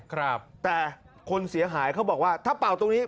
ครับแต่คนเสียหายเขาบอกว่าถ้าเป่าตรงนี้